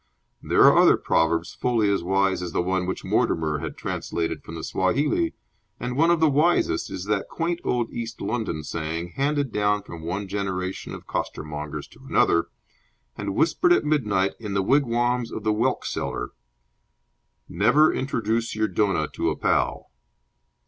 There are other proverbs fully as wise as the one which Mortimer had translated from the Swahili, and one of the wisest is that quaint old East London saying, handed down from one generation of costermongers to another, and whispered at midnight in the wigwams of the whelk seller! "Never introduce your donah to a pal."